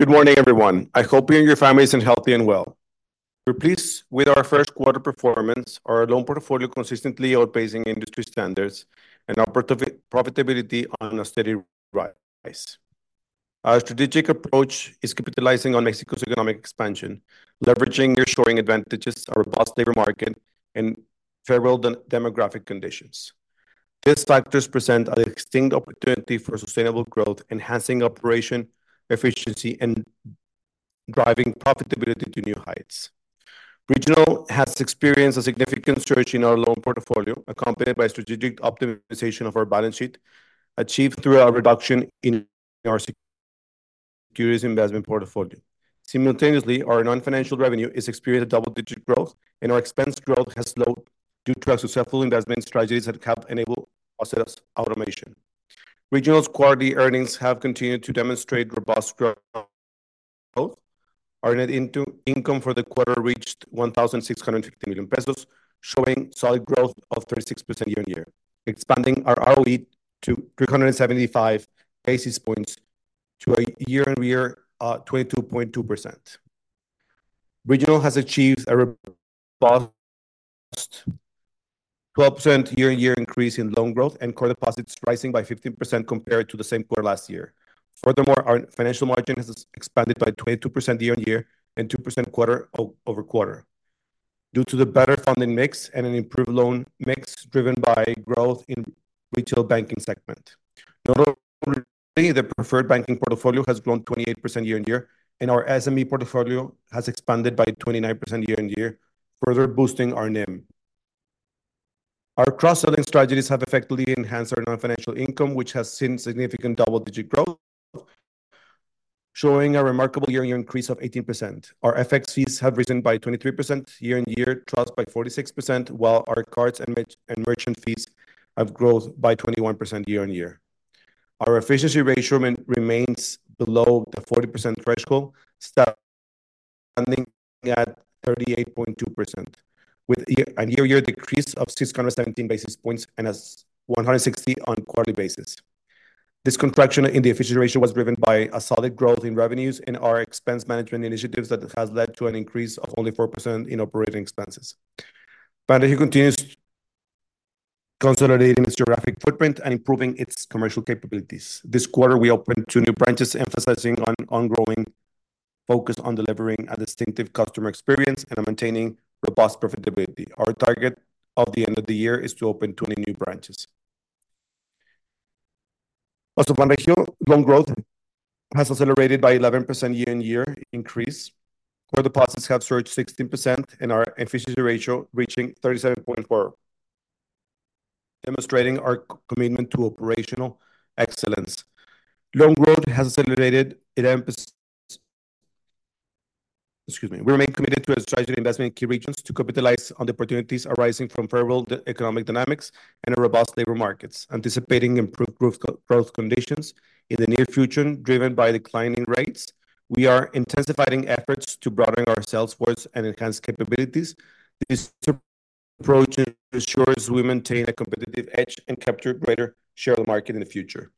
Good morning, everyone. I hope you and your families are healthy and well. Pleased with our first quarter performance, our loan portfolio consistently outpacing industry standards and our profitability on a steady rise. Our strategic approach is capitalizing on Mexico's economic expansion, leveraging nearshoring advantages, a robust labor market, and favorable demographic conditions. These factors present an extended opportunity for sustainable growth, enhancing operational efficiency and driving profitability to new heights. Regional has experienced a significant surge in our loan portfolio, accompanied by strategic optimization of our balance sheet achieved through our reduction in our securities investment portfolio. Simultaneously, our non-financial revenue is experiencing double-digit growth, and our expense growth has slowed due to our successful investment strategies that have enabled positive automation. Regional's quarterly earnings have continued to demonstrate robust growth. Our net income for the quarter reached 1,650 million pesos, showing solid growth of 36% year-on-year, expanding our ROE to 375 basis points to a year-on-year 22.2%. Regional has achieved a robust 12% year-on-year increase in loan growth and core deposits rising by 15% compared to the same quarter last year. Furthermore, our financial margin has expanded by 22% year-on-year and 2% quarter-over-quarter due to the better funding mix and an improved loan mix driven by growth in retail banking segment. Notably, the preferred banking portfolio has grown 28% year-on-year, and our SME portfolio has expanded by 29% year-on-year, further boosting our NIM. Our cross-selling strategies have effectively enhanced our non-financial income, which has seen significant double-digit growth, showing a remarkable year-over-year increase of 18%. Our FX fees have risen by 23% year-on-year, trust by 46%, while our cards and merchant fees have grown by 21% year-on-year. Our efficiency ratio remains below the 40% threshold, standing at 38.2%, with a year-on-year decrease of 617 basis points and 160 on a quarterly basis. This contraction in the efficiency ratio was driven by solid growth in revenues and our expense management initiatives that have led to an increase of only 4% in operating expenses. Banregio continues consolidating its geographic footprint and improving its commercial capabilities. This quarter, we opened two new branches, emphasizing an ongoing focus on delivering a distinctive customer experience and maintaining robust profitability. Our target at the end of the year is to open 20 new branches. Also, Banregio, loan growth has accelerated by 11% year-on-year increase. Core deposits have surged 16%, and our efficiency ratio reached 37.4%, demonstrating our commitment to operational excellence. Loan growth has accelerated. Excuse me. We remain committed to our strategic investment in key regions to capitalize on the opportunities arising from federal economic dynamics and robust labor markets, anticipating improved growth conditions in the near future driven by declining rates. We are intensifying efforts to broaden ourselves towards and enhance capabilities. This approach ensures we maintain a competitive edge and capture a greater share of the market in the future.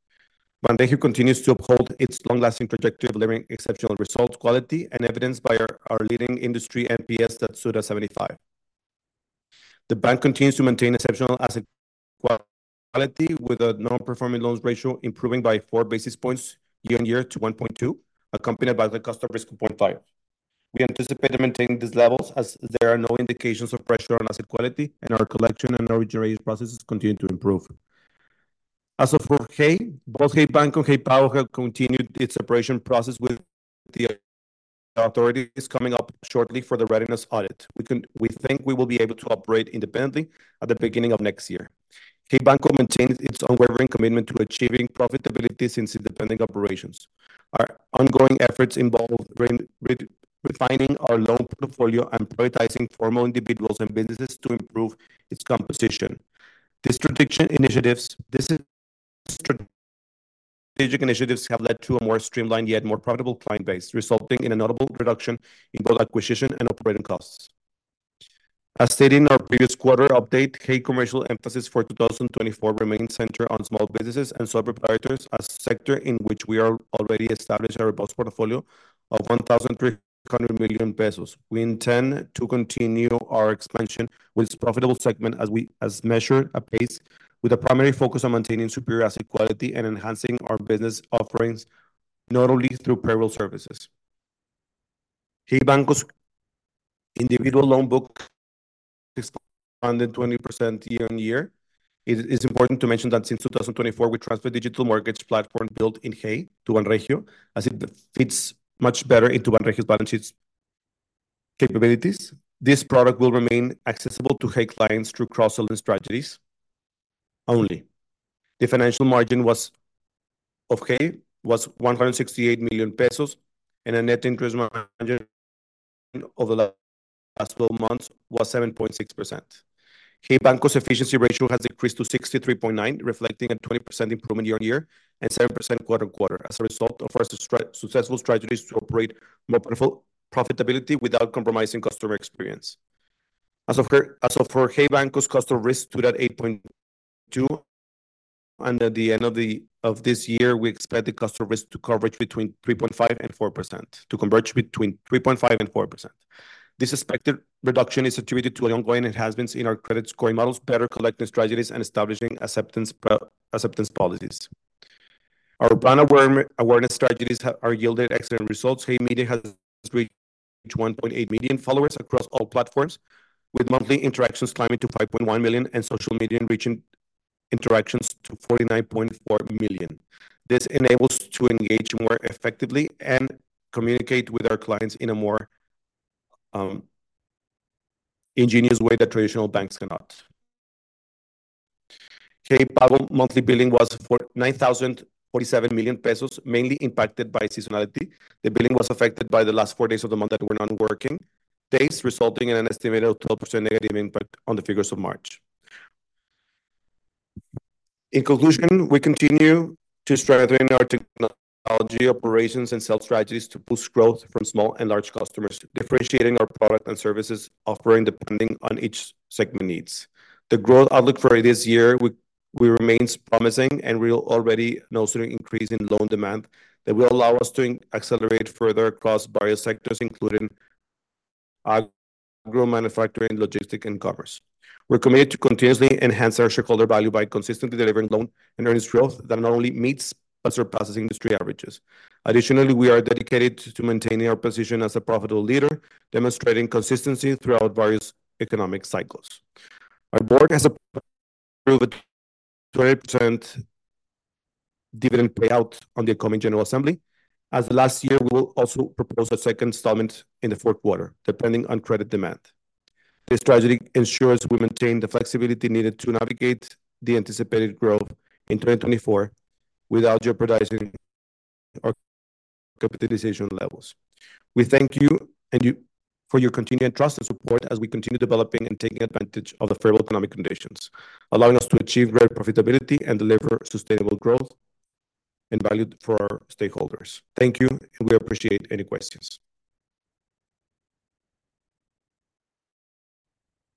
Banregio continues to uphold its long-lasting trajectory of delivering exceptional results, quality, and evidenced by our leading industry NPS that's stood at 75. The bank continues to maintain exceptional asset quality, with a non-performing loans ratio improving by 4 basis points year-on-year to 1.2%, accompanied by the cost of risk of 0.5%. We anticipate maintaining these levels as there are no indications of pressure on asset quality, and our collection and origination processes continue to improve. As of Q4, both Hey Banco and Hey Pago have continued its operation process with the authorities coming up shortly for the readiness audit. We think we will be able to operate independently at the beginning of next year. Hey Banco maintains its unwavering commitment to achieving profitability since independent operations. Our ongoing efforts involve refining our loan portfolio and prioritizing formal individuals and businesses to improve its composition. These strategic initiatives have led to a more streamlined yet more profitable client base, resulting in a notable reduction in both acquisition and operating costs. As stated in our previous quarter update, Hey Commercial emphasis for 2024 remains centered on small businesses and sole proprietors as a sector in which we already established a robust portfolio of 1,300 million pesos. We intend to continue our expansion with its profitable segment as measured at pace, with a primary focus on maintaining superior asset quality and enhancing our business offerings, notably through payroll services. Hey Banco's individual loan book expanded 20% year-on-year. It is important to mention that since 2024, we transferred the digital mortgage platform built in Hey to Banregio as it fits much better into Banregio's balance sheet capabilities. This product will remain accessible to Hey clients through cross-selling strategies only. The financial margin of Hey was 168 million pesos, and a net interest margin of the last 12 months was 7.6%. Hey Banco's efficiency ratio has decreased to 63.9%, reflecting a 20% improvement year-on-year and 7% quarter-over-quarter as a result of our successful strategies to operate more profitably without compromising customer experience. As of Hey Banco's Cost of Risk, stood at 8.2%. At the end of this year, we expect the customer risk to converge between 3.5% and 4%. This expected reduction is attributed to an ongoing enhancement in our credit scoring models, better collection strategies, and establishing acceptance policies. Our brand awareness strategies have yielded excellent results. Hey Media has reached 1.8 million followers across all platforms, with monthly interactions climbing to 5.1 million and social media reaching interactions to 49.4 million. This enables us to engage more effectively and communicate with our clients in a more ingenious way that traditional banks cannot. Hey Pago monthly billing was 9,047 million pesos, mainly impacted by seasonality. The billing was affected by the last 4 days of the month that were non-working days, resulting in an estimated 12% negative impact on the figures of March. In conclusion, we continue to strengthen our technology operations and sales strategies to boost growth from small and large customers, differentiating our product and services offering depending on each segment needs. The growth outlook for this year remains promising, and we already notice an increase in loan demand that will allow us to accelerate further across various sectors, including agro manufacturing, logistics, and commerce. We're committed to continuously enhance our shareholder value by consistently delivering loan and earnings growth that not only meets but surpasses industry averages. Additionally, we are dedicated to maintaining our position as a profitable leader, demonstrating consistency throughout various economic cycles. Our board has approved a 20% dividend payout on the upcoming General Assembly, as last year we will also propose a second installment in the fourth quarter depending on credit demand. This strategy ensures we maintain the flexibility needed to navigate the anticipated growth in 2024 without jeopardizing our capitalization levels. We thank you for your continued trust and support as we continue developing and taking advantage of the favorable economic conditions, allowing us to achieve greater profitability and deliver sustainable growth and value for our stakeholders. Thank you, and we appreciate any questions.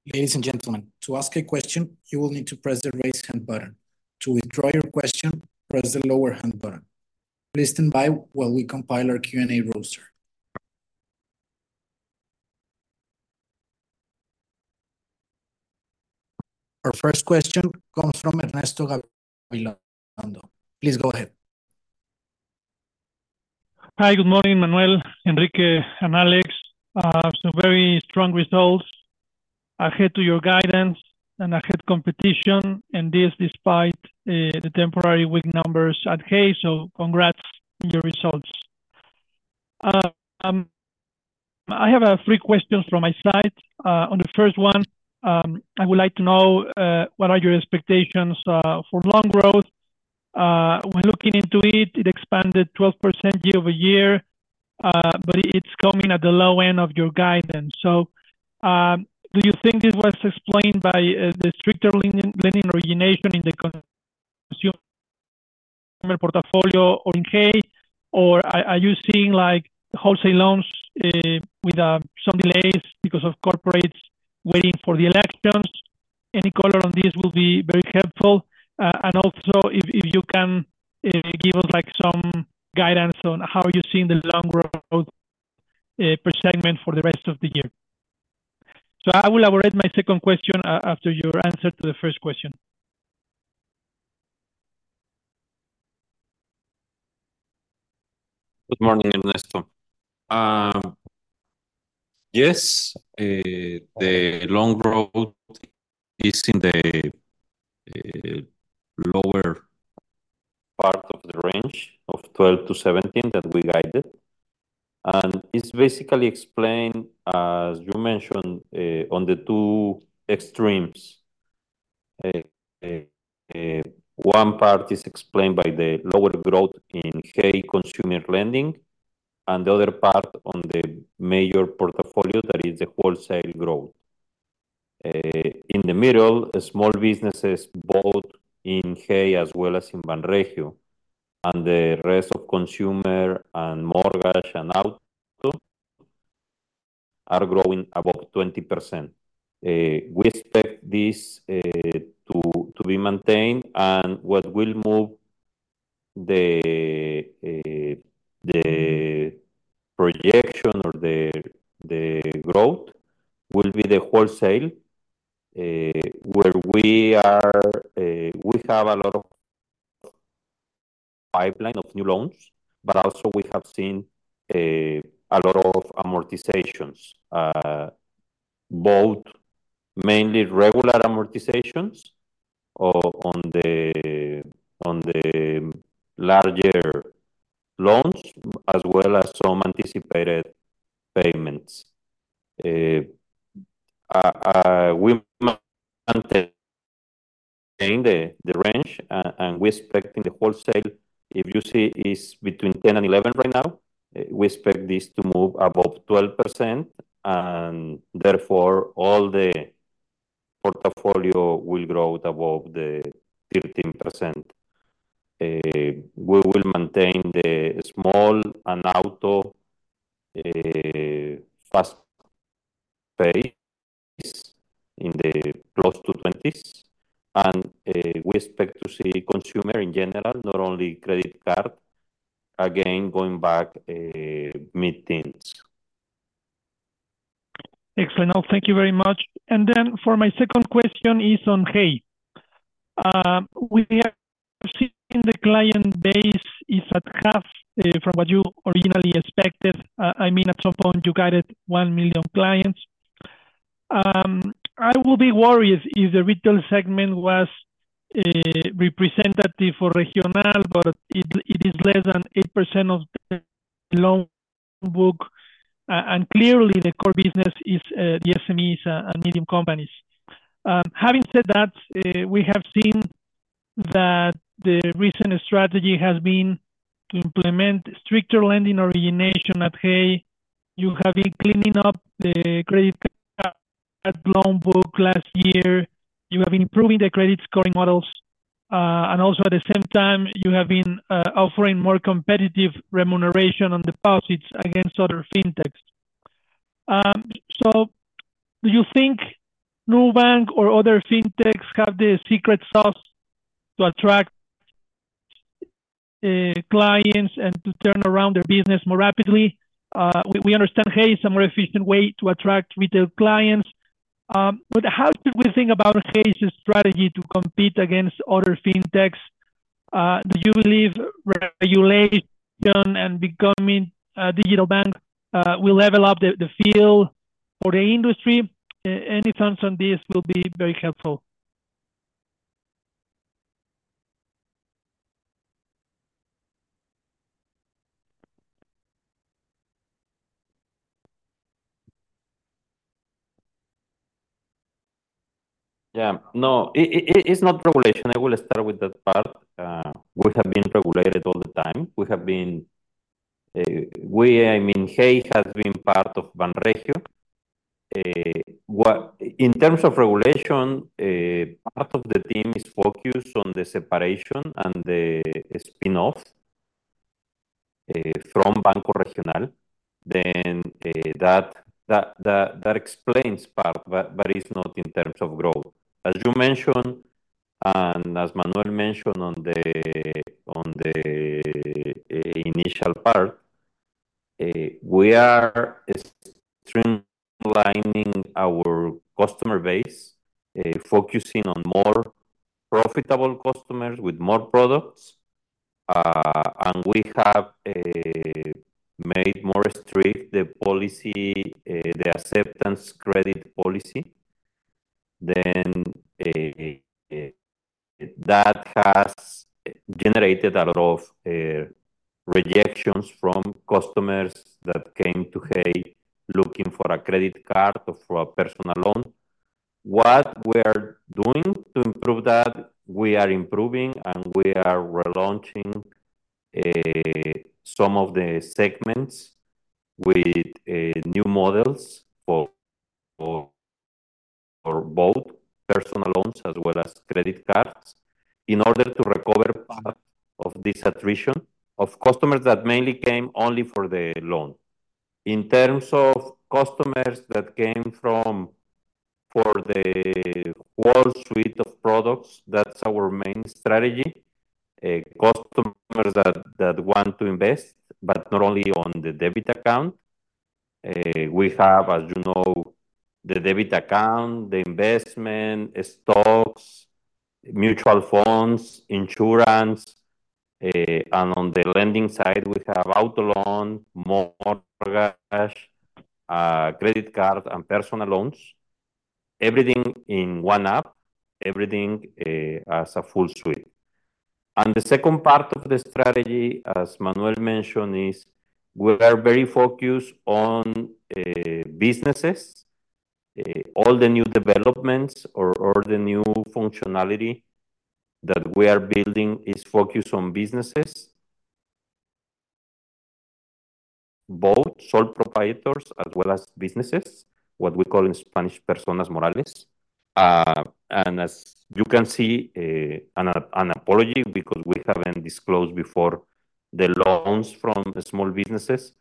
Ladies and gentlemen, to ask a question, you will need to press the raise hand button. To withdraw your question, press the lower hand button. Please stand by while we compile our Q&A roster. Our first question comes from Ernesto Gabilondo. Please go ahead. Hi, good morning, Manuel, Enrique, and Alex. Some very strong results ahead of your guidance and ahead of competition, and this despite the temporary weak numbers at Hey, so congrats on your results. I have three questions from my side. On the first one, I would like to know what are your expectations for loan growth. When looking into it, it expanded 12% year-over-year, but it's coming at the low end of your guidance. So do you think this was explained by the stricter lending origination in the consumer portfolio or in Hey, or are you seeing wholesale loans with some delays because of corporates waiting for the elections? Any color on this will be very helpful. And also, if you can give us some guidance on how are you seeing the loan growth per segment for the rest of the year? I will elaborate my second question after your answer to the first question. Good morning, Ernesto. Yes, the loan growth is in the lower part of the range of 12%-17% that we guided. It's basically explained, as you mentioned, on the two extremes. One part is explained by the lower growth in Hey consumer lending, and the other part on the major portfolio, that is the wholesale growth. In the middle, small businesses both in Hey as well as in Banregio and the rest of consumer and mortgage and auto are growing above 20%. We expect this to be maintained, and what will move the projection or the growth will be the wholesale, where we have a lot of pipeline of new loans, but also we have seen a lot of amortizations, both mainly regular amortizations on the larger loans as well as some anticipated payments. We maintain the range, and we expect in the wholesale, if you see it's between 10% and 11% right now, we expect this to move above 12%, and therefore all the portfolio will grow above the 13%. We will maintain the small and auto fast pace in the close to 20s, and we expect to see consumer in general, not only credit card, again, going back mid-10s. Excellent. Thank you very much. Then for my second question is on Hey. We have seen the client base is at half from what you originally expected. I mean, at some point, you guided 1 million clients. I will be worried if the retail segment was representative for Regional, but it is less than 8% of the loan book, and clearly, the core business is the SMEs and medium companies. Having said that, we have seen that the recent strategy has been to implement stricter lending origination at Hey. You have been cleaning up the credit loan book last year. You have been improving the credit scoring models. And also, at the same time, you have been offering more competitive remuneration on deposits against other fintechs. So do you think Nubank or other fintechs have the secret sauce to attract clients and to turn around their business more rapidly? We understand Hey is a more efficient way to attract retail clients. But how should we think about Hey's strategy to compete against other fintechs? Do you believe regulation and becoming a digital bank will level up the field or the industry? Any thoughts on this will be very helpful. Yeah. No, it's not regulation. I will start with that part. We have been regulated all the time. I mean, Hey has been part of Banregio. In terms of regulation, part of the team is focused on the separation and the spin-off from Banco Regional. Then that explains part, but it's not in terms of growth. As you mentioned and as Manuel mentioned on the initial part, we are streamlining our customer base, focusing on more profitable customers with more products. And we have made more strict the acceptance credit policy. Then that has generated a lot of rejections from customers that came to Hey looking for a credit card or for a personal loan. What we are doing to improve that, we are improving, and we are relaunching some of the segments with new models for both personal loans as well as credit cards in order to recover part of this attrition of customers that mainly came only for the loan. In terms of customers that came for the whole suite of products, that's our main strategy. Customers that want to invest, but not only on the debit account. We have, as you know, the debit account, the investment, stocks, mutual funds, insurance. And on the lending side, we have auto loan, mortgage, credit card, and personal loans. Everything in one app, everything as a full suite. And the second part of the strategy, as Manuel mentioned, is we are very focused on businesses. All the new developments or the new functionality that we are building is focused on businesses, both sole proprietors as well as businesses, what we call in Spanish, personas morales. And as you can see, an apology because we haven't disclosed before the loans from small businesses.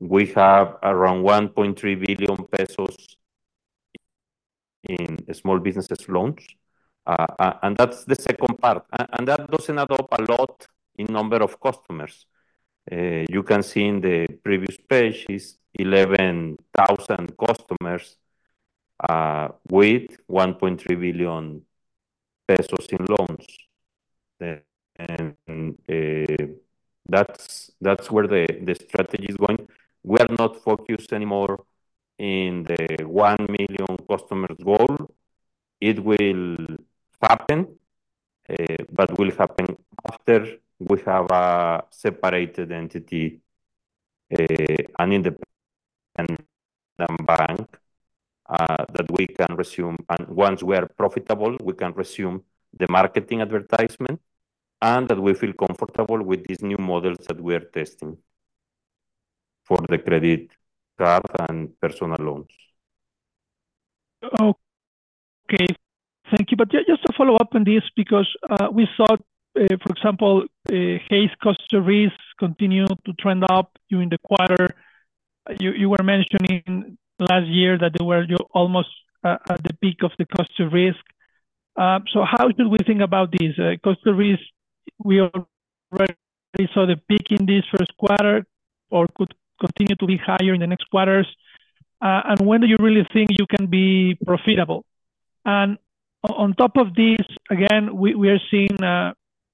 We have around 1.3 billion pesos in small businesses loans. And that's the second part. And that doesn't add up a lot in number of customers. You can see in the previous page, it's 11,000 customers with 1.3 billion pesos in loans. And that's where the strategy is going. We are not focused anymore in the 1 million customers goal. It will happen, but will happen after we have a separated entity, an independent bank that we can resume. Once we are profitable, we can resume the marketing advertisement and that we feel comfortable with these new models that we are testing for the credit card and personal loans. Okay. Thank you. But just to follow up on this because we thought, for example, Hey's cost of risk continued to trend up during the quarter. You were mentioning last year that they were almost at the peak of the cost of risk. So how should we think about this? Cost of risk, we already saw the peak in this first quarter or could continue to be higher in the next quarters. And when do you really think you can be profitable? And on top of this, again, we are seeing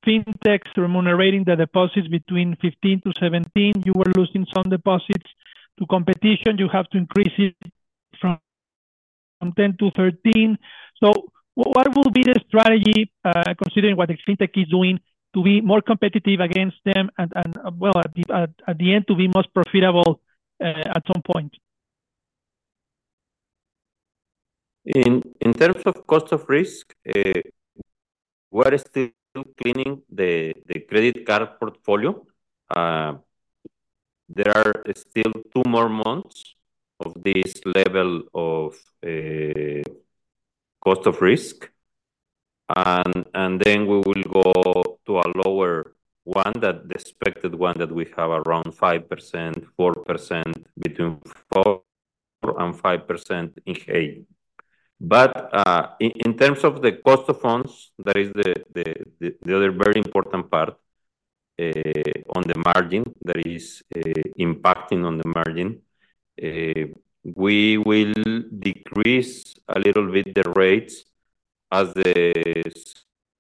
fintechs remunerating the deposits between 15%-17%. You were losing some deposits to competition. You have to increase it from 10%-13%. So what will be the strategy, considering what the fintech is doing, to be more competitive against them and, well, at the end, to be most profitable at some point? In terms of cost of risk, we are still cleaning the credit card portfolio. There are still 2 more months of this level of cost of risk. And then we will go to a lower one, the expected one that we have around 5%, 4%, between 4% and 5% in Hey. But in terms of the cost of funds, that is the other very important part on the margin that is impacting on the margin, we will decrease a little bit the rates as the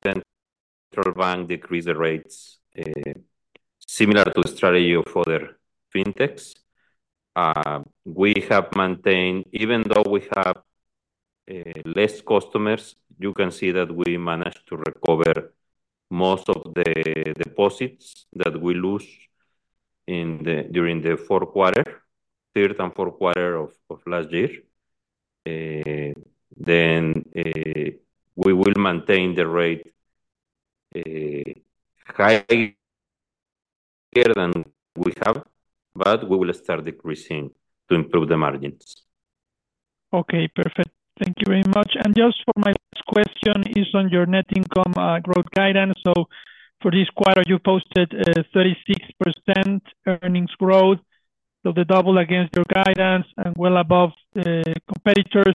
central bank decreases the rates, similar to the strategy of other fintechs. We have maintained, even though we have less customers, you can see that we managed to recover most of the deposits that we lose during the third and fourth quarter of last year. Then we will maintain the rate higher than we have, but we will start decreasing to improve the margins. Okay. Perfect. Thank you very much. And just for my last question, it's on your net income growth guidance. So for this quarter, you posted 36% earnings growth, so the double against your guidance and well above competitors.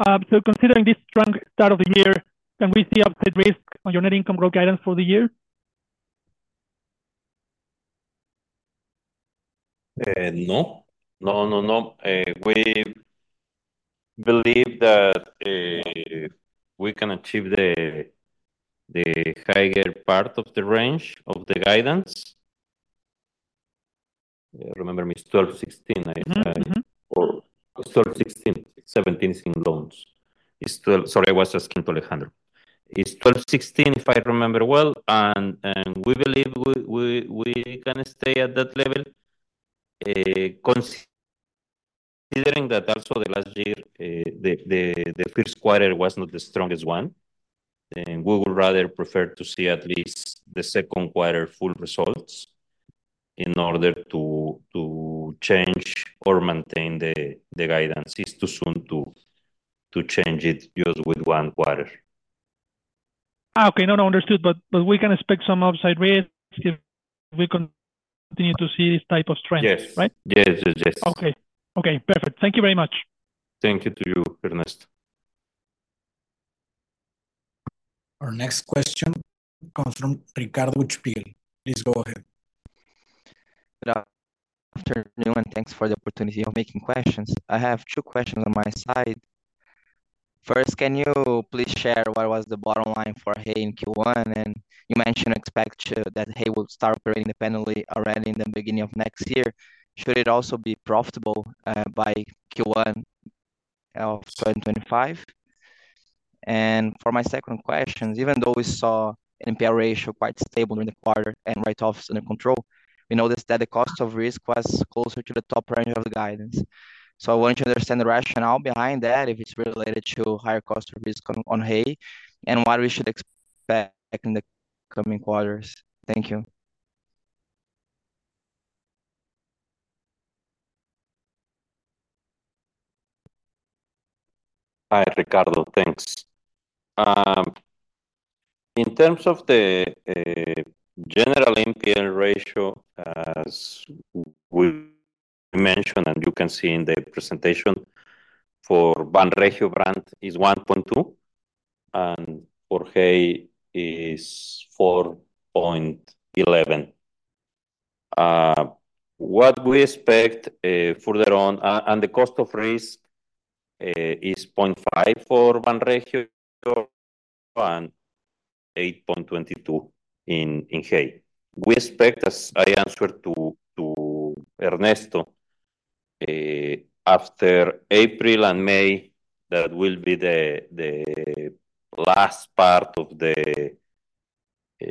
So considering this strong start of the year, can we see upside risk on your net income growth guidance for the year? No. No, no, no. We believe that we can achieve the higher part of the range of the guidance. Remember, it's 12%, 16%, or 12%, 16%, 17% is in loans. Sorry, I was asking to Alejandro. It's 12%, 16%, if I remember well. And we believe we can stay at that level, considering that also the last year, the first quarter was not the strongest one. And we would rather prefer to see at least the second quarter full results in order to change or maintain the guidance. It's too soon to change it just with one quarter. Okay. No, no, understood. But we can expect some upside risk if we continue to see this type of trend, right? Yes. Yes, yes, yes. Okay. Okay. Perfect. Thank you very much. Thank you to you, Ernesto. Our next question comes from Ricardo Buchpiguel. Please go ahead. Good afternoon, and thanks for the opportunity of making questions. I have two questions on my side. First, can you please share what was the bottom line for Hey in Q1? And you mentioned expect that Hey will start operating independently already in the beginning of next year. Should it also be profitable by Q1 of 2025? And for my second question, even though we saw an NPL ratio quite stable during the quarter and write-off under control, we noticed that the cost of risk was closer to the top range of the guidance. So I wanted to understand the rationale behind that, if it's related to higher cost of risk on Hey, and what we should expect in the coming quarters. Thank you. Hi, Ricardo. Thanks. In terms of the general NPL ratio, as we mentioned, and you can see in the presentation, for Banregio is 1.2%, and for Hey is 4.11%. What we expect further on, and the cost of risk is 0.5% for Banregio and 8.22% in Hey. We expect, as I answered to Ernesto, after April and May, that will be the last part of the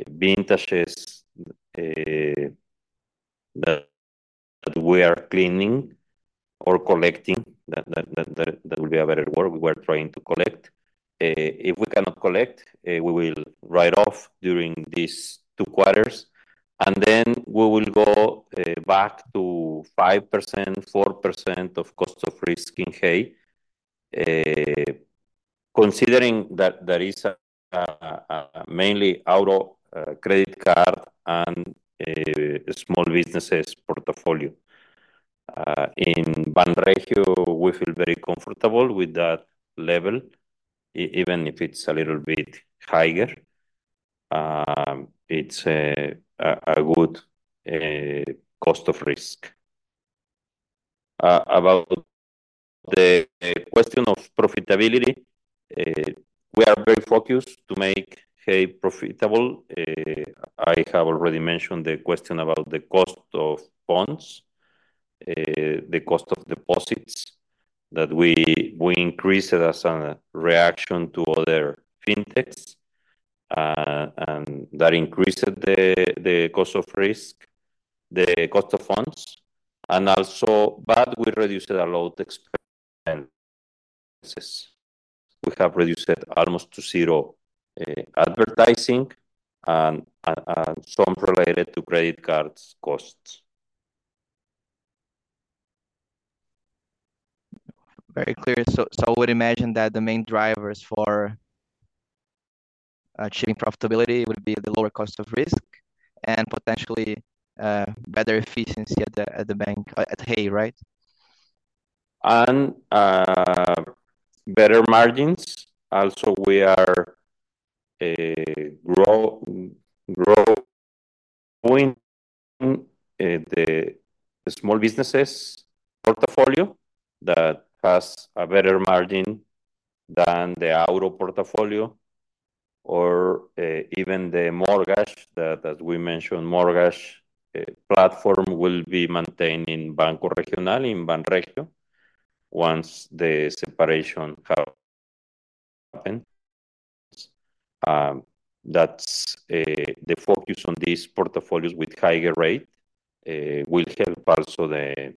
vintages that we are cleaning or collecting. That will be a better word. We were trying to collect. If we cannot collect, we will write off during these two quarters. And then we will go back to 5%, 4% of cost of risk in Hey, considering that there is mainly auto credit card and small businesses portfolio. In Banregio, we feel very comfortable with that level. Even if it's a little bit higher, it's a good cost of risk. About the question of profitability, we are very focused to make Hey profitable. I have already mentioned the question about the cost of funds, the cost of deposits that we increased as a reaction to other fintechs. And that increased the cost of risk, the cost of funds. And also, but we reduced a lot of expenses. We have reduced almost to zero advertising and some related to credit card costs. Very clear. So I would imagine that the main drivers for achieving profitability would be the lower cost of risk and potentially better efficiency at Hey, right? Better margins. Also, we are growing the small businesses portfolio that has a better margin than the auto portfolio or even the mortgage that, as we mentioned, the mortgage platform will be maintained in Banco Regional, in Banregio, once the separation happens. That's the focus on these portfolios with a higher rate will help also to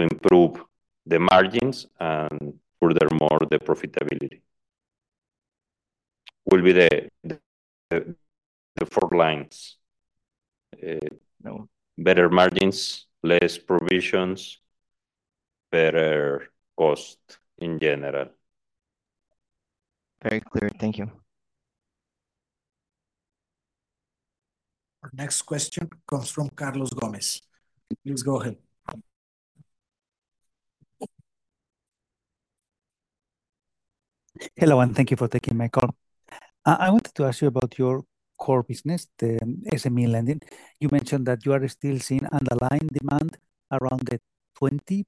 improve the margins and furthermore, the profitability will be the four lines. Better margins, less provisions, better cost in general. Very clear. Thank you. Our next question comes from Carlos Gómez. Please go ahead. Hello, and thank you for taking my call. I wanted to ask you about your core business, the SME lending. You mentioned that you are still seeing underlying demand around the 20%.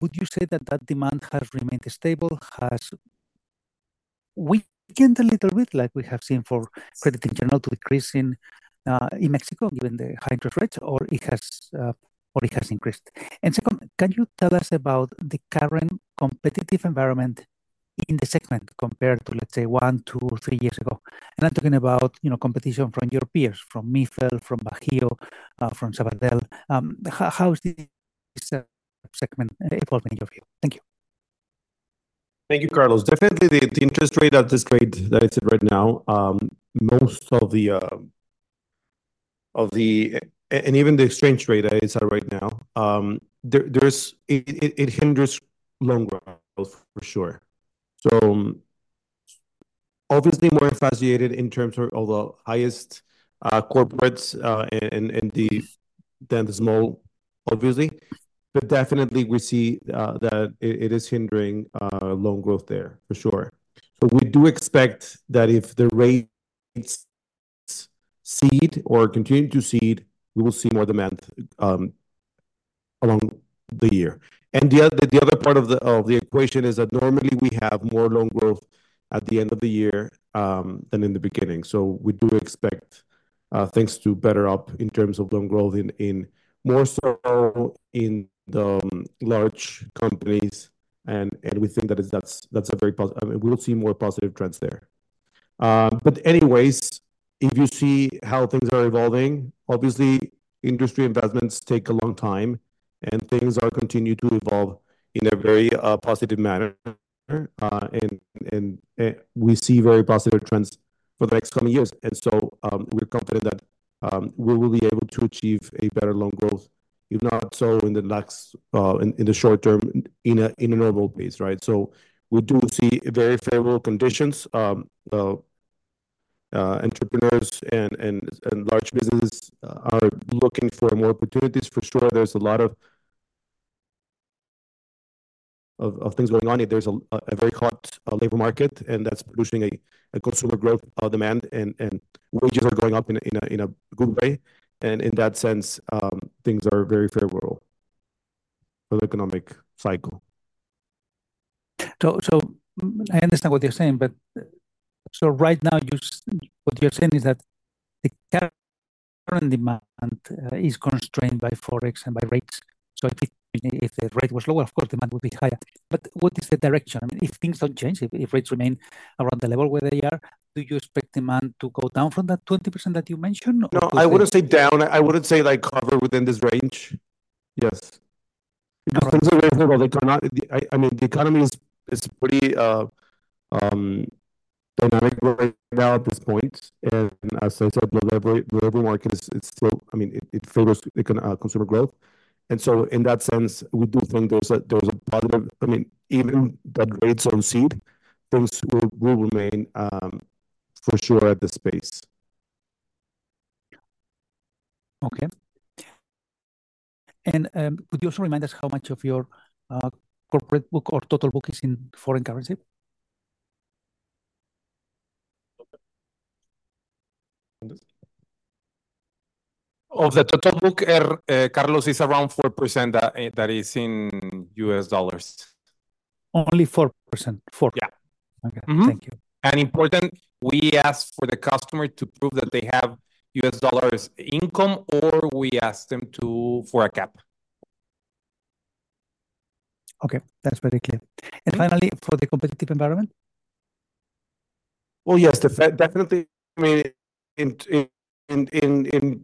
Would you say that that demand has remained stable, has weakened a little bit like we have seen for credit in general to decrease in Mexico, given the high interest rates, or it has increased? And second, can you tell us about the current competitive environment in the segment compared to, let's say, one, two, three years ago? And I'm talking about competition from your peers, from MIFEL, from Bajío, from Sabadell. How is this segment evolving in your view? Thank you. Thank you, Carlos. Definitely, the interest rate at this rate that it's at right now, and even the exchange rate that it's at right now, it hinders loan growth, for sure. So obviously, more impacted in terms of the large corporates than the small, obviously. But definitely, we see that it is hindering loan growth there, for sure. So we do expect that if the rates recede or continue to recede, we will see more demand along the year. And the other part of the equation is that normally, we have more loan growth at the end of the year than in the beginning. So we do expect things to pick up in terms of loan growth, more so in the large companies. And we think that that's a very positive; we will see more positive trends there. But anyways, if you see how things are evolving, obviously, industry investments take a long time, and things continue to evolve in a very positive manner. We see very positive trends for the next coming years. So we're confident that we will be able to achieve a better loan growth, if not so, in the short term, in a normal pace, right? We do see very favorable conditions. Entrepreneurs and large businesses are looking for more opportunities, for sure. There's a lot of things going on. There's a very hot labor market, and that's producing a consumer growth demand. Wages are going up in a good way. In that sense, things are very favorable for the economic cycle. So I understand what you're saying. But so right now, what you're saying is that the current demand is constrained by Forex and by rates. So if the rate was lower, of course, demand would be higher. But what is the direction? I mean, if things don't change, if rates remain around the level where they are, do you expect demand to go down from that 20% that you mentioned? No, I wouldn't say down. I wouldn't say hover within this range. Yes. It depends on where they cannot. I mean, the economy is pretty dynamic right now at this point. And as I said, the labor market, I mean, it favors consumer growth. And so in that sense, we do think there's a positive. I mean, even if rates don't cede, things will remain, for sure, at this pace. Okay. Could you also remind us how much of your corporate book or total book is in foreign currency? Of the total book, Carlos, it's around 4% that is in U.S. dollars. Only 4%? Yeah. Okay. Thank you. Important, we ask for the customer to prove that they have U.S. dollars income, or we ask them for a cap. Okay. That's very clear. Finally, for the competitive environment? Well, yes, definitely. I mean, in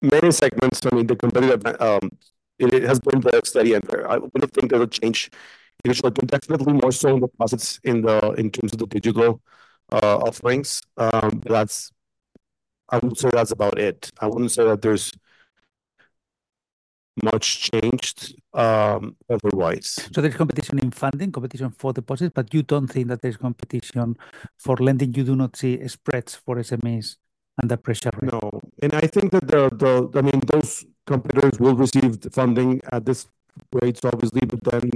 many segments, I mean, it has been the study. I wouldn't think there's a change in it. Definitely more so in the positives in terms of the digital offerings. I would say that's about it. I wouldn't say that there's much changed otherwise. So there's competition in funding, competition for deposits, but you don't think that there's competition for lending? You do not see spreads for SMEs and the pressure rate? No. And I think that, I mean, those competitors will receive funding at this rate, obviously, but then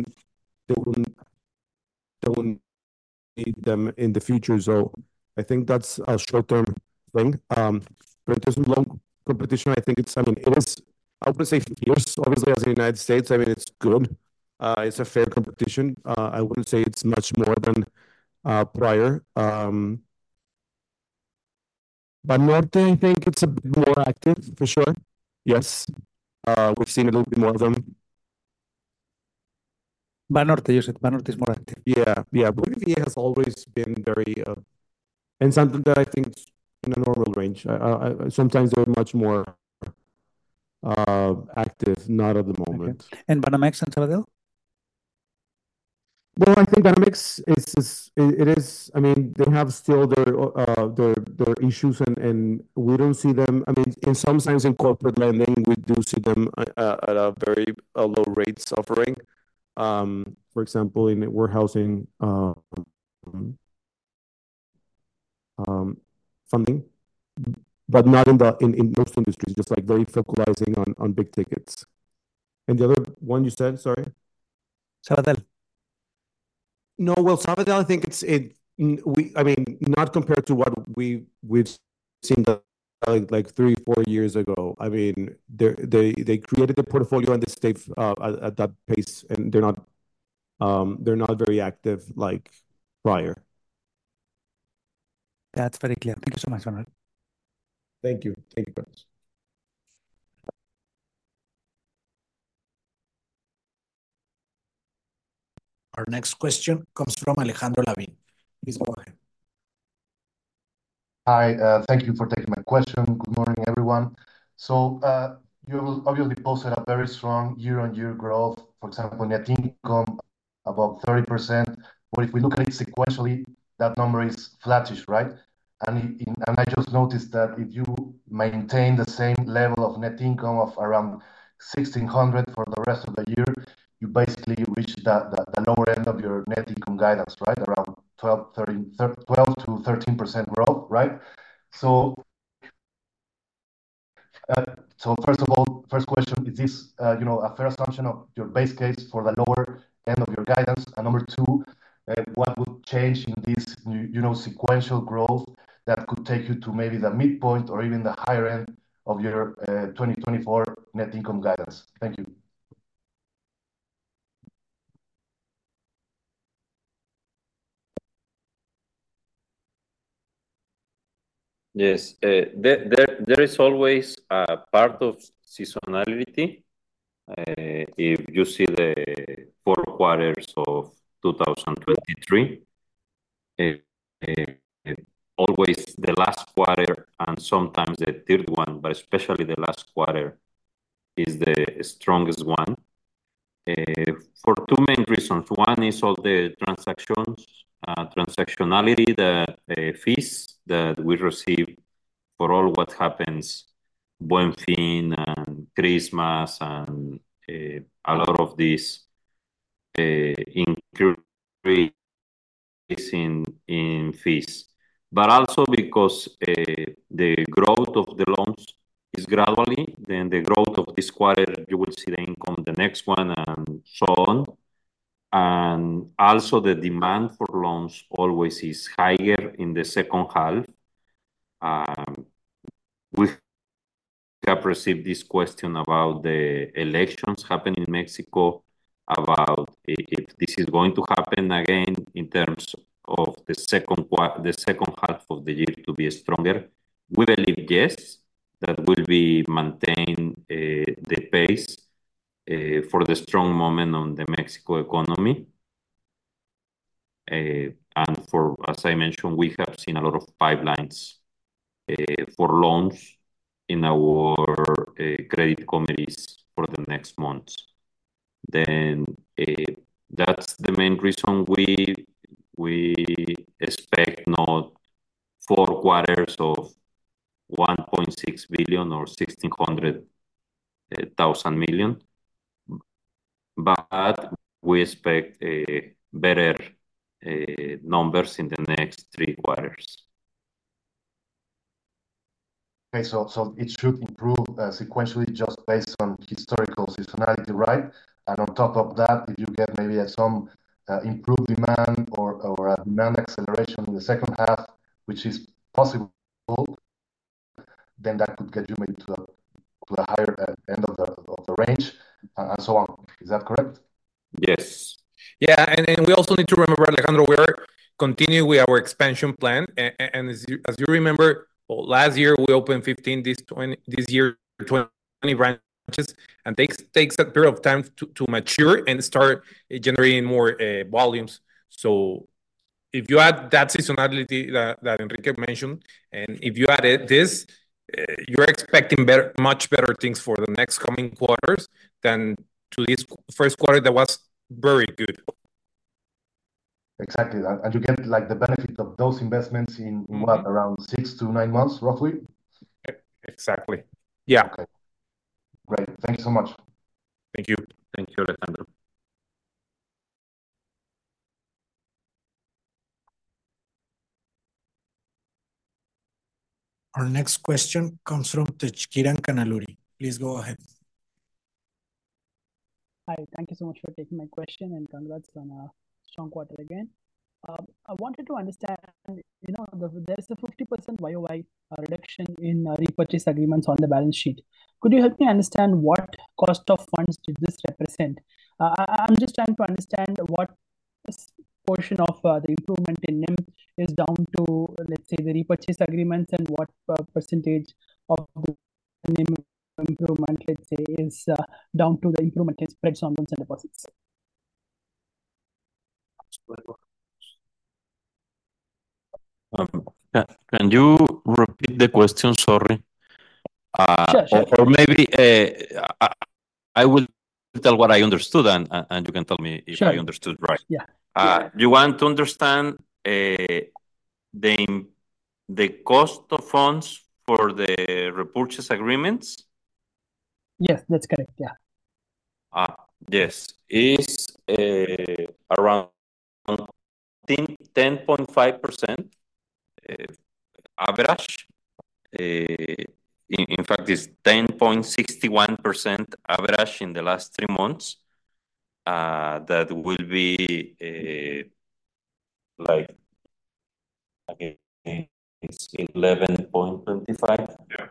they won't need them in the future. So I think that's a short-term thing. But in terms of loan competition, I think it's, I mean, it is. I wouldn't say fierce, obviously, as in the United States. I mean, it's good. It's a fair competition. I wouldn't say it's much more than prior. Banorte, I think it's a bit more active, for sure? Yes. We've seen a little bit more of them. Banorte, you said Banorte is more active? Yeah. Yeah. Volatility has always been very. Something that I think is in a normal range. Sometimes they're much more active, not at the moment. Okay. And Banamex and Sabadell? Well, I think Banamex. I mean, they still have their issues, and we don't see them. I mean, in some sense, in corporate lending, we do see them offering very low rates, for example, in warehousing funding, but not in most industries, just focusing on big tickets. And the other one you said, sorry? Sabadell? No, well, Sabadell, I think it's, I mean, not compared to what we've seen 3-4 years ago. I mean, they created the portfolio and they stayed at that pace, and they're not very active like prior. That's very clear. Thank you so much, Manuel. Thank you. Thank you, Carlos. Our next question comes from Alejandro Lavín. Please go ahead. Hi. Thank you for taking my question. Good morning, everyone. So you obviously posted a very strong year-on-year growth, for example, net income about 30%. But if we look at it sequentially, that number is flattish, right? And I just noticed that if you maintain the same level of net income of around 1,600 million for the rest of the year, you basically reach the lower end of your net income guidance, right, around 12%-13% growth, right? So first of all, first question, is this a fair assumption of your base case for the lower end of your guidance? And number two, what would change in this sequential growth that could take you to maybe the midpoint or even the higher end of your 2024 net income guidance? Thank you. Yes. There is always a part of seasonality. If you see the four quarters of 2023, always the last quarter and sometimes the third one, but especially the last quarter, is the strongest one for two main reasons. One is all the transactionality, the fees that we receive for all what happens: bonus fee and Christmas and a lot of these increasing fees, but also because the growth of the loans is gradual. Then the growth of this quarter, you will see the income the next one and so on. And also, the demand for loans always is higher in the second half. We have received this question about the elections happening in Mexico, about if this is going to happen again in terms of the second half of the year to be stronger. We believe, yes, that we'll be maintaining the pace for the strong momentum in the Mexican economy. As I mentioned, we have seen a lot of pipelines for loans in our credit committees for the next months. That's the main reason we expect not four quarters of 1.6 billion or 16,000 million, but we expect better numbers in the next three quarters. Okay. So it should improve sequentially just based on historical seasonality, right? And on top of that, if you get maybe some improved demand or a demand acceleration in the second half, which is possible, then that could get you maybe to a higher end of the range and so on. Is that correct? Yes. Yeah. We also need to remember, Alejandro, we are continuing with our expansion plan. As you remember, last year, we opened 15. This year, 20 branches, and takes that period of time to mature and start generating more volumes. So if you add that seasonality that Enrique mentioned, and if you add this, you're expecting much better things for the next coming quarters than to this first quarter that was very good. Exactly. And you get the benefit of those investments in what, around 6-9 months, roughly? Exactly. Yeah. Okay. Great. Thank you so much. Thank you. Thank you, Alejandro. Our next question comes from Tejkiran Kannaluri. Please go ahead. Hi. Thank you so much for taking my question, and congrats on a strong quarter again. I wanted to understand, there's a 50% YoY reduction in repurchase agreements on the balance sheet. Could you help me understand what cost of funds did this represent? I'm just trying to understand what portion of the improvement in NIM is down to, let's say, the repurchase agreements and what percentage of the NIM improvement, let's say, is down to the improvement in spreads on loans and deposits? Can you repeat the question? Sorry. Sure, sure. Or maybe I will tell what I understood, and you can tell me if I understood right. Sure. Yeah. You want to understand the cost of funds for the repurchase agreements? Yes, that's correct. Yeah. Yes. It's around 10.5% average. In fact, it's 10.61% average in the last three months that will be like 11.25%. Yeah.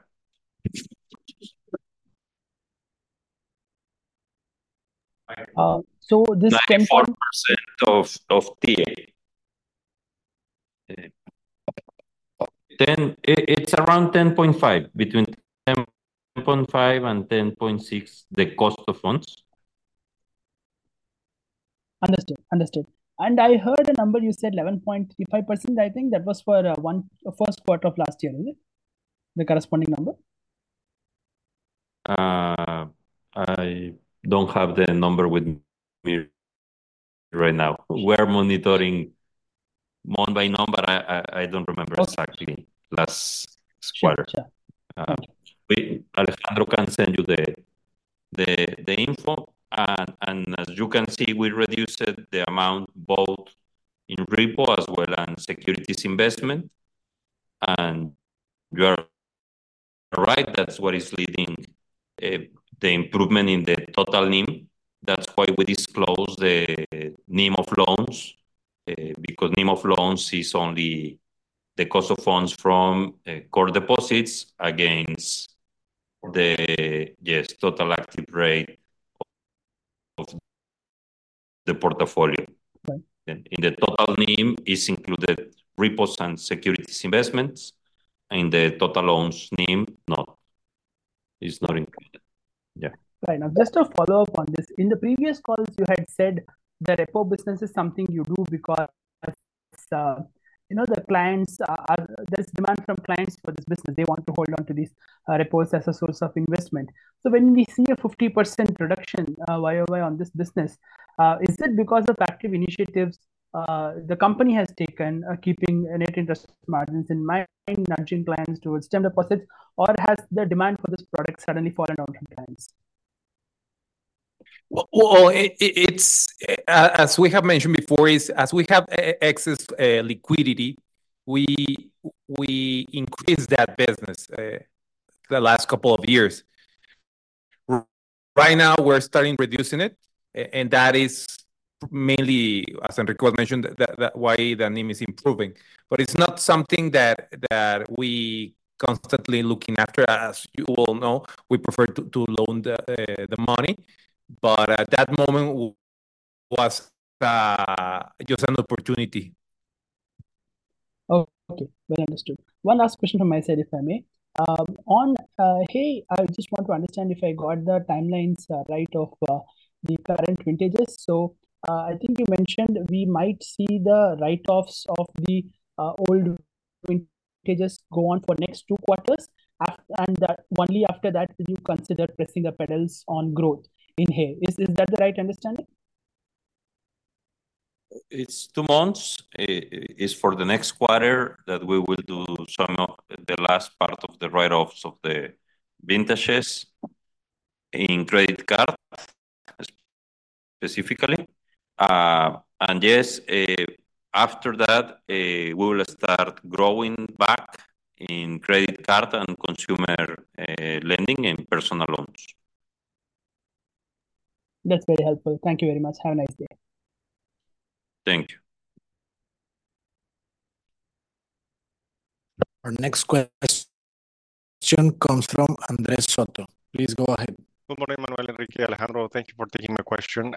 So this 10. 94% of TIIE. It's around 10.5%, between 10.5% and 10.6%, the cost of funds. Understood. Understood. And I heard a number you said, 11.35%. I think that was for the first quarter of last year, is it, the corresponding number? I don't have the number with me right now. We're monitoring month by month, but I don't remember exactly last quarter. Alejandro can send you the info. As you can see, we reduced the amount both in repo as well as securities investment. You are right. That's what is leading the improvement in the total NIM. That's why we disclosed the NIM of loans because NIM of loans is only the cost of funds from core deposits against the, yes, total active rate of the portfolio. In the total NIM, it's included repos and securities investments. In the total loans NIM, it's not included. Yeah. Right. Now, just to follow up on this, in the previous calls, you had said the repo business is something you do because there's demand from clients for this business. They want to hold onto these repos as a source of investment. So when we see a 50% reduction YoY on this business, is it because of active initiatives the company has taken, keeping net interest margins in mind, nudging clients towards term deposits, or has the demand for this product suddenly fallen out from clients? Well, as we have mentioned before, as we have excess liquidity, we increased that business the last couple of years. Right now, we're starting reducing it, and that is mainly, as Enrique was mentioning, why the NIM is improving. But it's not something that we're constantly looking after. As you all know, we prefer to loan the money, but at that moment, it was just an opportunity. Okay. Well understood. One last question from my side, if I may. Hey, I just want to understand if I got the timelines right of the current vintages. So I think you mentioned we might see the write-offs of the old vintages go on for the next two quarters, and only after that will you consider pressing the pedals on growth in Hey. Is that the right understanding? It's two months. It's for the next quarter that we will do some of the last part of the write-offs of the vintages in credit card specifically. And yes, after that, we will start growing back in credit card and consumer lending and personal loans. That's very helpful. Thank you very much. Have a nice day. Thank you. Our next question comes from Andrés Soto. Please go ahead. Good morning, Manuel, Enrique. Alejandro, thank you for taking my question.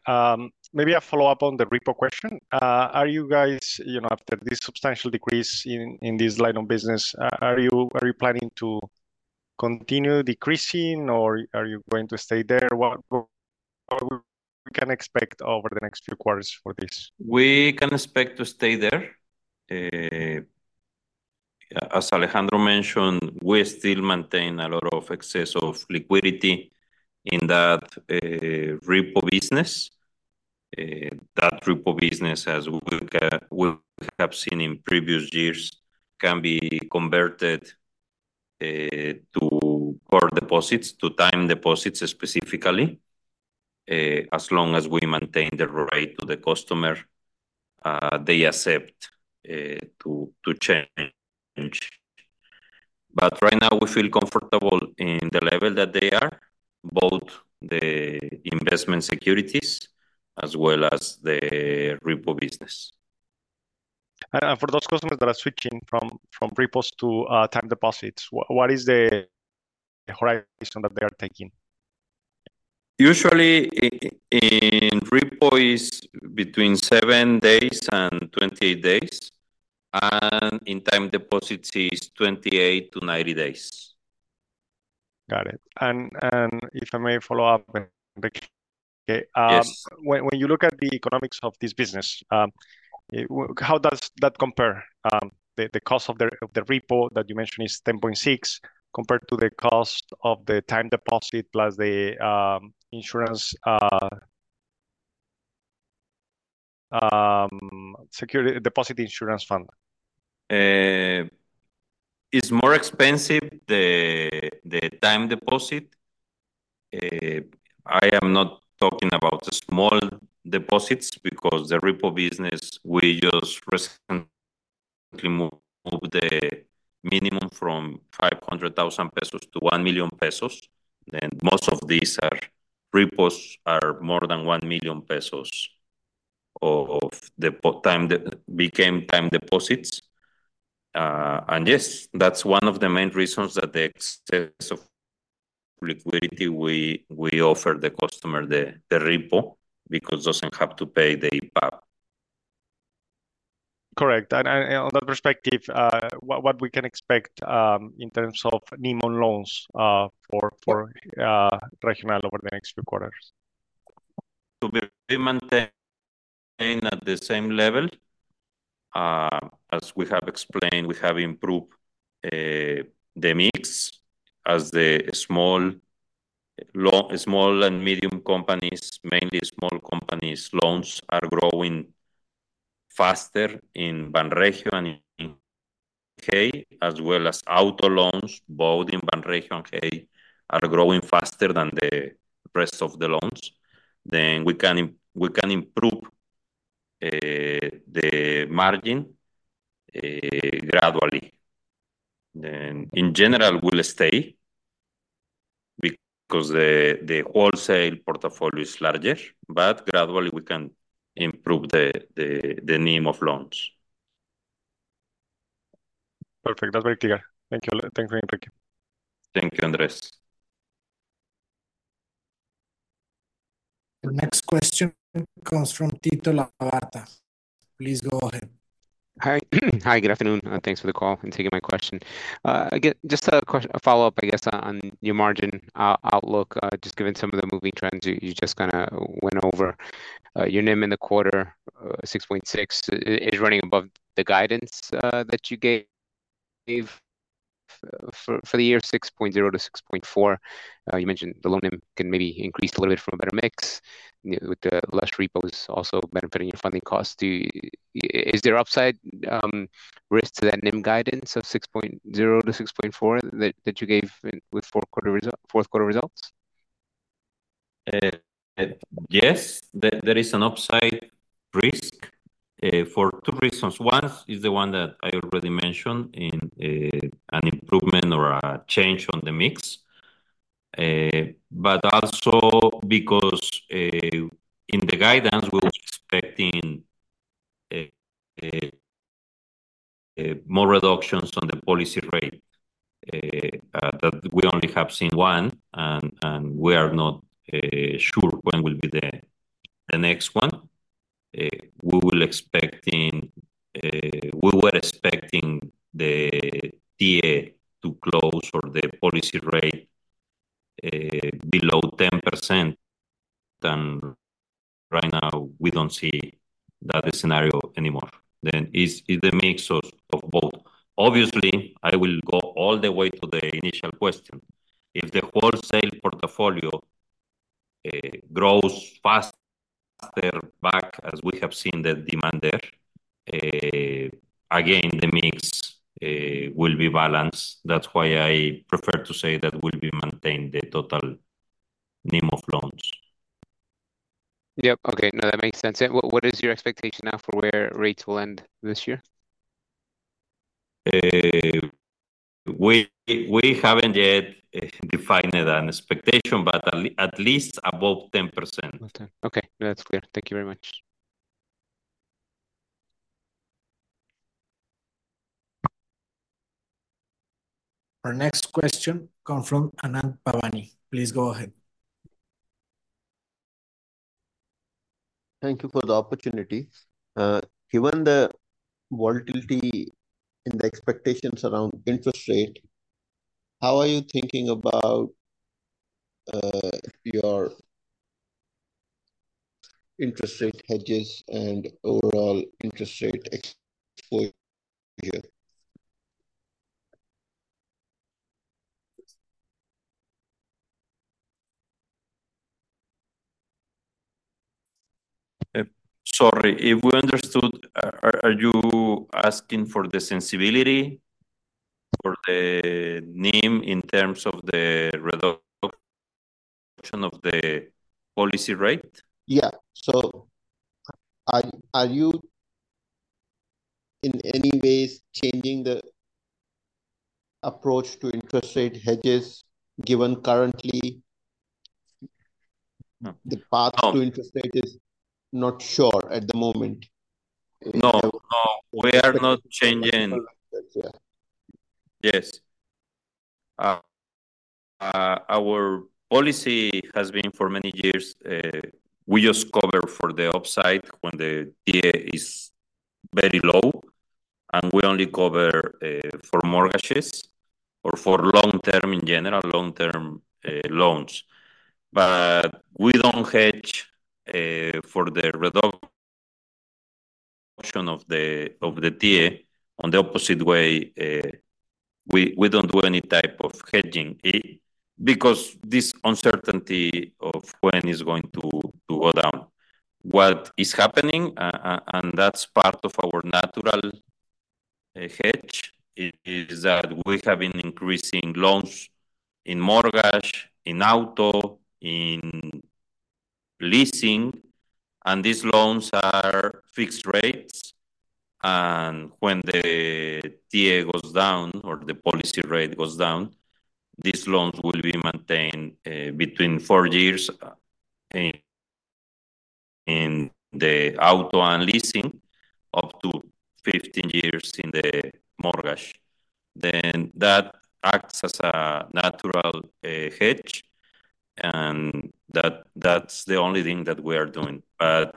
Maybe a follow-up on the repo question. Are you guys, after this substantial decrease in this line of business, are you planning to continue decreasing, or are you going to stay there? What can we expect over the next few quarters for this? We can expect to stay there. As Alejandro mentioned, we still maintain a lot of excess of liquidity in that repo business. That repo business, as we have seen in previous years, can be converted to core deposits, to time deposits specifically, as long as we maintain the rate to the customer they accept to change. But right now, we feel comfortable in the level that they are, both the investment securities as well as the repo business. For those customers that are switching from repos to time deposits, what is the horizon that they are taking? Usually, in repo, it's between 7 days and 28 days. In time deposits, it's 28-90 days. Got it. If I may follow up, Enrique, when you look at the economics of this business, how does that compare? The cost of the repo that you mentioned is 10.6% compared to the cost of the time deposit plus the deposit insurance fund? It's more expensive, the time deposit. I am not talking about small deposits because the repo business, we just recently moved the minimum from 500,000 pesos to 1 million pesos. Then most of these repos are more than 1 million pesos of the time that became time deposits. And yes, that's one of the main reasons that the excess of liquidity, we offer the customer the repo because it doesn't have to pay the IPAB. Correct. On that perspective, what we can expect in terms of NIM on loans for Regional over the next few quarters? To be maintained at the same level as we have explained, we have improved the mix as the small and medium companies, mainly small companies, loans are growing faster in Banregio and in Hey, as well as auto loans, both in Banregio and Hey, are growing faster than the rest of the loans. Then we can improve the margin gradually. Then in general, we'll stay because the wholesale portfolio is larger, but gradually, we can improve the NIM of loans. Perfect. That's very clear. Thank you, Enrique. Thank you, Andrés. The next question comes from Tito Labarta. Please go ahead. Hi. Hi. Good afternoon. Thanks for the call and taking my question. Again, just a follow-up, I guess, on your margin outlook, just given some of the moving trends you just kind of went over. Your NIM in the quarter, 6.6%, is running above the guidance that you gave for the year, 6.0%-6.4%. You mentioned the low NIM can maybe increase a little bit from a better mix with the less repos, also benefiting your funding costs. Is there upside risk to that NIM guidance of 6.0%-6.4% that you gave with fourth quarter results? Yes, there is an upside risk for two reasons. One is the one that I already mentioned, an improvement or a change on the mix, but also because in the guidance, we're expecting more reductions on the policy rate that we only have seen one, and we are not sure when will be the next one. We were expecting the TIIE to close or the policy rate below 10%, and right now, we don't see that scenario anymore. Then it's the mix of both. Obviously, I will go all the way to the initial question. If the wholesale portfolio grows faster back as we have seen the demand there, again, the mix will be balanced. That's why I prefer to say that we'll be maintaining the total NIM of loans. Yep. Okay. No, that makes sense. What is your expectation now for where rates will end this year? We haven't yet defined an expectation, but at least above 10%. Above 10%. Okay. No, that's clear. Thank you very much. Our next question comes from Anand Bhavnani. Please go ahead. Thank you for the opportunity. Given the volatility in the expectations around interest rate, how are you thinking about your interest rate hedges and overall interest rate exposure? Sorry. If we understood, are you asking for the sensitivity for the NIM in terms of the reduction of the policy rate? Yeah. So are you, in any ways, changing the approach to interest rate hedges given currently the path to interest rate is not sure at the moment? No. No. We are not changing. Yeah. Yes. Our policy has been for many years, we just cover for the upside when the TIIE is very low, and we only cover for mortgages or for long-term, in general, long-term loans. But we don't hedge for the reduction of the TIIE on the opposite way. We don't do any type of hedging because this uncertainty of when it's going to go down. What is happening, and that's part of our natural hedge, is that we have been increasing loans in mortgage, in auto, in leasing, and these loans are fixed rates. And when the TIIE goes down or the policy rate goes down, these loans will be maintained between 4 years in the auto and leasing up to 15 years in the mortgage. Then that acts as a natural hedge, and that's the only thing that we are doing.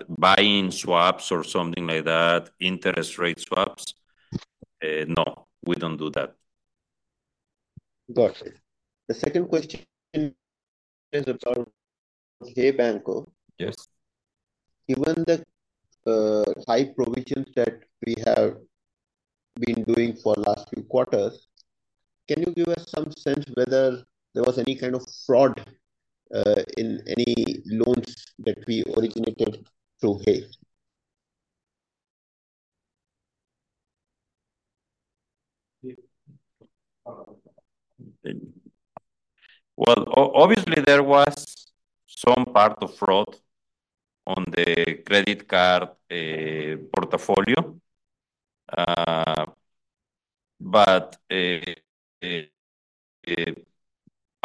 Buying swaps or something like that, interest rate swaps, no, we don't do that. Got it. The second question is about Hey Banco. Given the high provisions that we have been doing for the last few quarters, can you give us some sense whether there was any kind of fraud in any loans that we originated through Hey? Well, obviously, there was some part of fraud on the credit card portfolio, but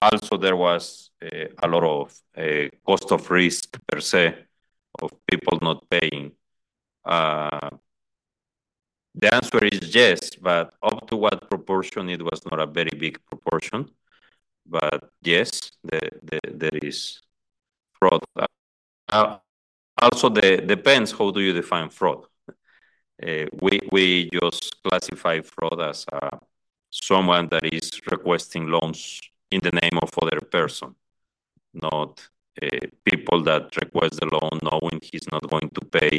also, there was a lot of cost of risk per se of people not paying. The answer is yes, but up to what proportion? It was not a very big proportion. But yes, there is fraud. Also, it depends how do you define fraud. We just classify fraud as someone that is requesting loans in the name of other persons, not people that request the loan knowing he's not going to pay.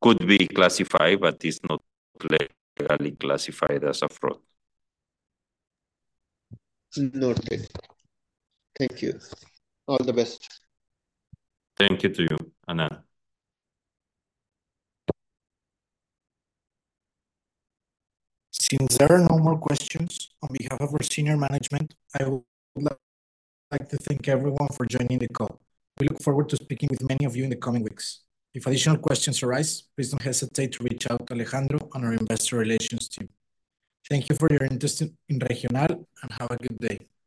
Could be classified, but it's not legally classified as a fraud. Understood. Thank you. All the best. Thank you to you, Anand. Since there are no more questions on behalf of our senior management, I would like to thank everyone for joining the call. We look forward to speaking with many of you in the coming weeks. If additional questions arise, please don't hesitate to reach out to Alejandro on our Investor Relations team. Thank you for your interest in Regional, and have a good day.